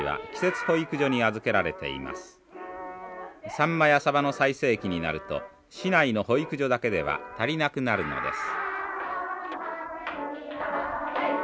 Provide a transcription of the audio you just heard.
さんまやさばの最盛期になると市内の保育所だけでは足りなくなるのです。